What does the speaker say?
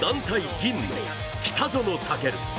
銀の北園丈琉。